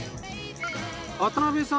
渡辺さん